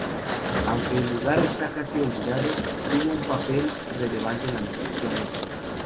Aunque el lugar está casi olvidado, tuvo un papel relevante en la mitología nórdica.